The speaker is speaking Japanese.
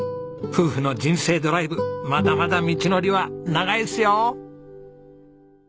夫婦の人生ドライブまだまだ道のりは長いですよ。